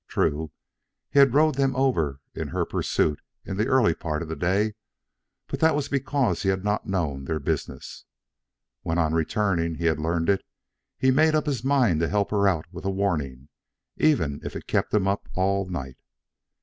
True, he had rowed them over in her pursuit in the early part of the day, but that was because he had not known their business. When on returning he had learned it, he made up his mind to help her out with a warning even if it kept him up all night.